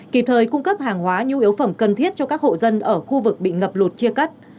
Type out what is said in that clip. kịp thời cung cấp hàng hóa nhu yếu phẩm cần thiết cho các hộ dân ở khu vực bị ngập lụt chia cắt